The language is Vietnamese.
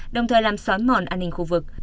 đồng thời làm xóa mòn an ninh khu vực